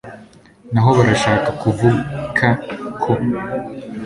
hano barashaka kuvuka ko